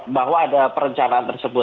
bahwa ada perencanaan tersebut